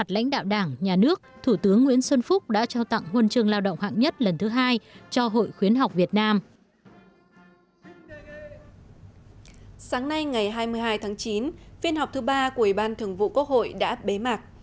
sáng nay ngày hai mươi hai tháng chín phiên họp thứ ba của ủy ban thường vụ quốc hội đã bế mạc